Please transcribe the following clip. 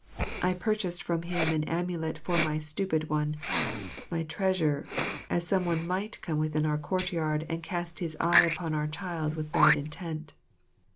I purchased from him an amulet for my "Stupid One," my treasure, as some one might come within our courtyard and cast his eye upon our child with bad intent.